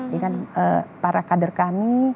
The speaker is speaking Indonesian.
dengan para kader kami